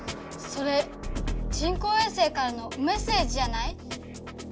それ人工衛星からのメッセージじゃない？